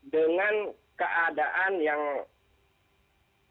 dengan keadaan yang tidak terlalu baik